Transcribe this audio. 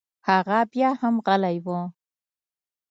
هغه بيا هم غلى و.